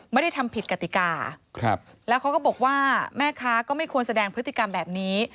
ไม่ได้ทำผิดกติกาแล้วเขาก็บอกว่าแม่ค้าก็ไม่ควรแสดงพฤติกรรมแบบนี้